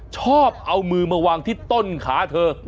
ชอบเอามือมาวางที่ต้นขาเธอ